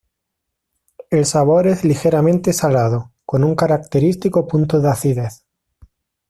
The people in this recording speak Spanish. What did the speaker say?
El sabor es ligeramente salado, con un característico punto de acidez.